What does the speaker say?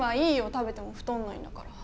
食べても太んないんだから。